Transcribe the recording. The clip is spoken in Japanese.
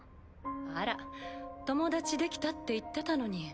あら友達できたって言ってたのに。